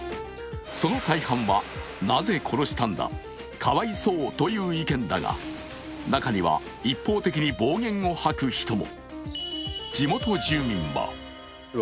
その大半は、なぜ殺したんだ、かわいそうという意見だが、中には一方的に暴言を吐く人も。